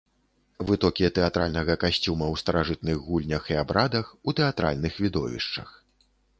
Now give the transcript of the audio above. Вытокі тэатральнага касцюма ў старажытных гульнях і абрадах, у тэатральных відовішчах.